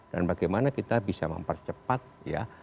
dan bagaimana kita bisa mempercepat ya